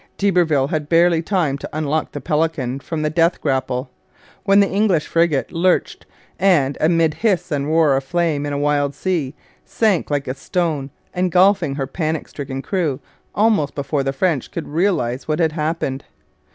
D'Iberville had barely time to unlock the Pelican from the death grapple, when the English frigate lurched and, amid hiss and roar of flame in a wild sea, sank like a stone, engulfing her panic stricken crew almost before the French could realize what had happened.